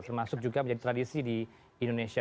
termasuk juga menjadi tradisi di indonesia